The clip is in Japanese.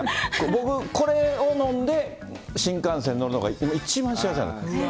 僕、これを飲んで、新幹線乗るのが一番幸せなのよ。